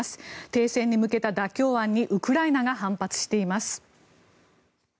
停戦に向けた妥協案にウクライナが反発しています。